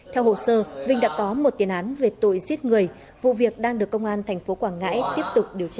theo hồ sơ vinh đã có một tiền án về tội giết người vụ việc đang được công an tp quảng ngãi tiếp tục điều tra